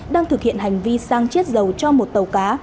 đang thực hiện hành vi sang chiết dầu cho một tàu cá